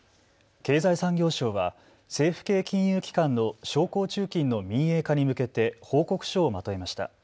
経済産業省は政府系金融機関の商工中金の民営化に向けて報告書をまとめました。